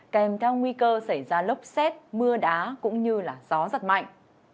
kèm theo nguy cơ xảy ra lốc xét mưa đá cũng như gió giật mạnh